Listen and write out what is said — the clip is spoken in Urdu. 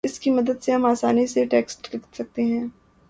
اس کی مدد سے ہم آسانی سے ٹیکسٹ لکھ سکتے ہیں